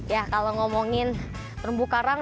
ya kalau ngomongin terumbu karang